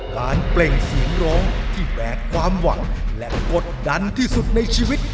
เปล่งเสียงร้องที่แบกความหวังและกดดันที่สุดในชีวิต